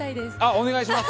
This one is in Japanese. お願いします。